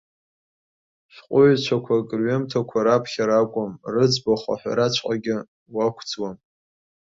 Шәҟәыҩҩцәақәак рҩымҭақәа рыԥхьара акәым, рыӡбахә аҳәараҵәҟьагьы уақәӡуан.